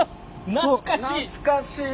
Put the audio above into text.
懐かしい！